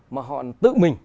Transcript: mà họ tự mình